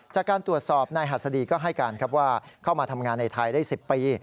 จากการตรวจสอบนายหัสดีก็ให้การครับว่าเข้ามาทำงานในไทยได้๑๐ปี